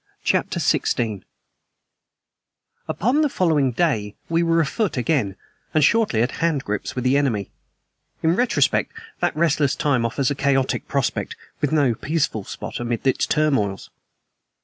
CHAPTER XVI UPON the following day we were afoot again, and shortly at handgrips with the enemy. In retrospect, that restless time offers a chaotic prospect, with no peaceful spot amid its turmoils.